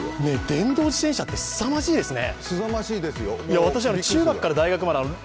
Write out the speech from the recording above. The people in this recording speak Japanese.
電動自転車ってすさまじいですね。